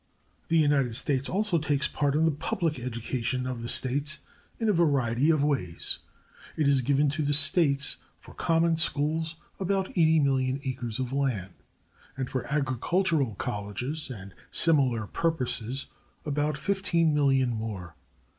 The United States also takes part in the public education of the states in a variety of ways. It has given to the states for common schools about 80 million acres of land, and for agricultural colleges and similar purposes about 15 million more.